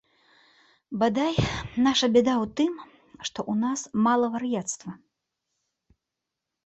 Бадай, наша бяда ў тым, што ў нас мала вар'яцтва.